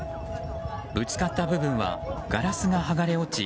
ぶつかった部分はガラスが剥がれ落ち